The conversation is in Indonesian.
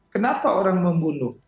kenapa orang membunuh